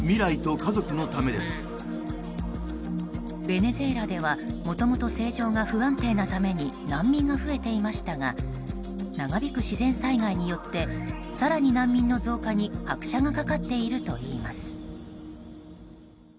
ベネズエラでは、もともと政情が不安定なために難民が増えていましたが長引く自然災害によって更に難民の増加に拍車がかかっているといいます。